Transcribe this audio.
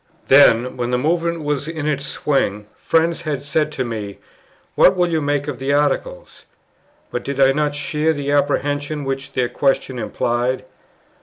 Then, when the Movement was in its swing, friends had said to me, "What will you make of the Articles?" but I did not share the apprehension which their question implied.